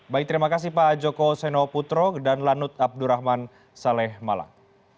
baik terima kasih pak joko seno putro dan lanut abdurrahman saleh malang